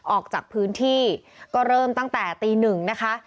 ออกจากพื้นที่ก็เริ่มตั้งแต่ตีหนึ่งนะคะ